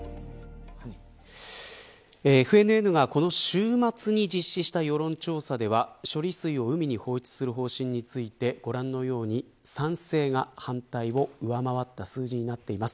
ＦＮＮがこの週末に実施した世論調査では処理水を海に放出する方針についてご覧のように賛成が反対を上回った数字になっています。